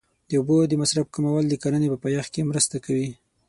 د اوبو د مصرف کمول د کرنې په پایښت کې مرسته کوي.